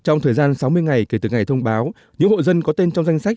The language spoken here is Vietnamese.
trong thời gian sáu mươi ngày kể từ ngày thông báo những hộ dân có tên trong danh sách